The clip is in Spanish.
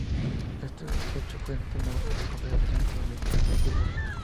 Este hecho fue determinado por la Confederación Sudamericana de Fútbol.